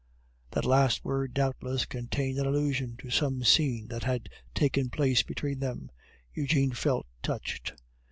That last word doubtless contained an allusion to some scene that had taken place between them. Eugene felt touched.